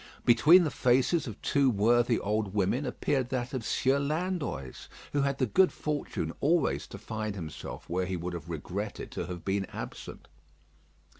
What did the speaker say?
Between the faces of two worthy old women appeared that of Sieur Landoys, who had the good fortune always to find himself where he would have regretted to have been absent.